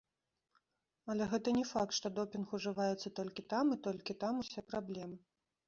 Але гэта не факт, што допінг ужываецца толькі там і толькі там усе праблемы.